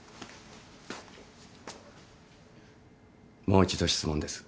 もう一度質問です。